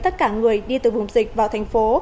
tất cả người đi từ vùng dịch vào thành phố